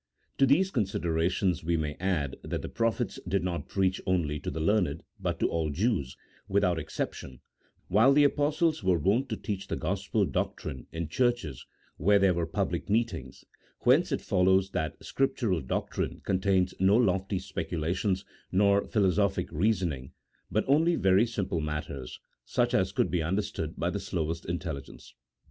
To these considerations we may add that the Prophets •did not preach only to the learned, but to all Jews, without exception, while the Apostles were wont to teach the gospel •doctrine in churches where there were public meetings ; whence it follows that Scriptural doctrine contains no lofty speculations nor philosophic reasoning, but only very simple matters, such as could be understood by the slowest intelligence.